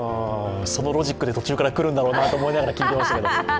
そのロジックで途中からくるんだろうなと思って聞いてましたけど。